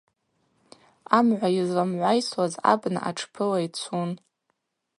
Амгӏва йызламгӏвайсуаз абна атшпыла йцун.